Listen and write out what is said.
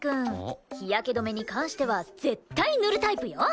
日焼け止めに関しては絶対塗るタイプよ！